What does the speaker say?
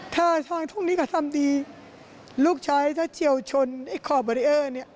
ถ้าทางทุกนี้เขาทำดีลูกชายถ้าเจียวชนไอ้เนี่ย